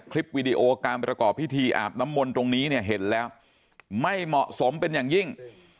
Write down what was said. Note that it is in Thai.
คลิปวีดีโอการประกอบพิธีอาบน้ำมนต์ตรงนี้เนี่ยเห็นแล้วไม่เหมาะสมเป็นอย่างยิ่ง